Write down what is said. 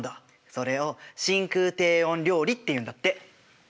それを真空低温料理っていうんだって。